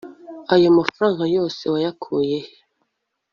ayo mafranga yose wayakuye he